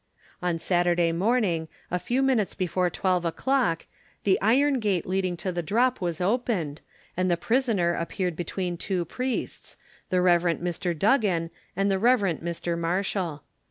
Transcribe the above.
On Saturday morning, a few minutes before twelve o'clock, the iron gate leading to the drop was opened, and the prisoner appeared between two priests the Rev. Mr Duggan and the Rev. Mr Marshall.